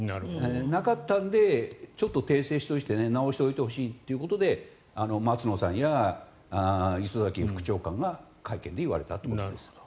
なかったのでちょっと訂正しておいてね直しておいてほしいということで松野さんや磯崎副長官が会見で言われたということです。